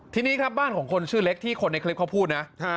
ทีนี้ครับบ้านของคนชื่อเล็กที่คนในคลิปเขาพูดนะ